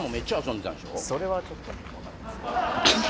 それはちょっともう分かんないですけど。